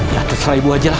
ya terserah ibu ajalah